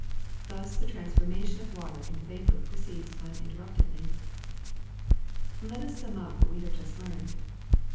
Thus the transformation of water into vapor proceeds uninterruptedly. Let us sum up what we have just learned.